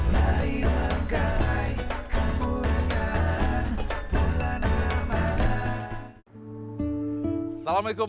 lari lai kemuliaan bulan ramadhan